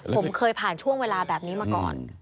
ผมเคยผ่านช่วงเวลาแบบนี้มาก่อน